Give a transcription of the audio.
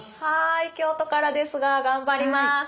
はい京都からですが頑張ります。